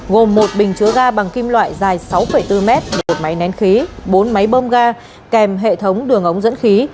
gồm một bình chứa ga bằng kim loại dài sáu bốn mét một máy nén khí bốn máy bơm ga kèm hệ thống đường ống dẫn khí